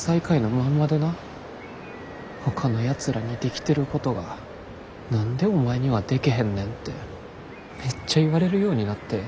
ほかのやつらにできてることが何でお前にはでけへんねんてめっちゃ言われるようになって。